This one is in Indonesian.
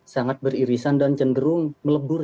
sangat beririsan dan cenderung melebur